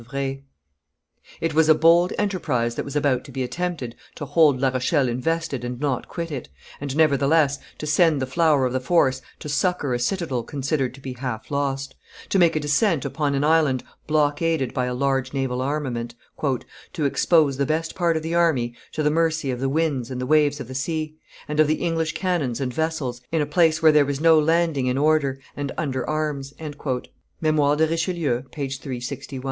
[Illustration: The Harbor of La Rochelle 248] It was a bold enterprise that was about to be attempted to hold La Rochelle invested and not quit it, and, nevertheless, to send the flower of the force to succor a citadel considered to be half lost; to make a descent upon an island blockaded by a large naval armament; to expose the best part of the army to the mercy of the winds and the waves of the sea, and of the English cannons and vessels, in a place where there was no landing in order and under arms." [Memoires de Richelieu, t. iii. p.